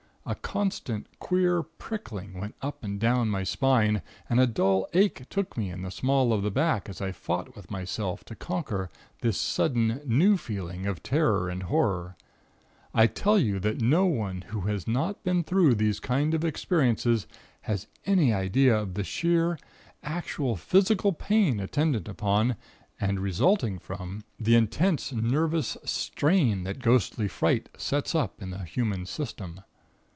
A constant, queer prickling went up and down my spine, and a dull ache took me in the small of the back, as I fought with myself to conquer this sudden new feeling of terror and horror. I tell you, that no one who has not been through these kinds of experiences, has any idea of the sheer, actual physical pain attendant upon, and resulting from, the intense nerve strain that ghostly fright sets up in the human system.